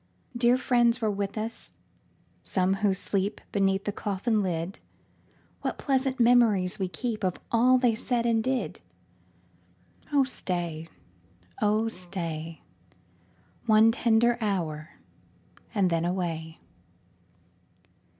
Dear friends were with us, some who sleep Beneath the coffin lid : What pleasant memories we keep Of all they said and did ! Oh stay, oh stay, One tender hour, and then away.